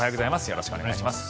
よろしくお願いします。